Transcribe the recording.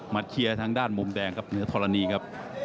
มาเคียและทางด้านมุมแดงไหนละทรนีครับ